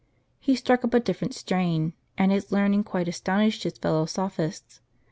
He struck up a different strain, and his learning quite astonished his fellow sophists.